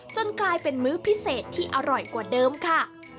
กลายเป็นมื้อพิเศษที่อร่อยกว่าเดิมค่ะ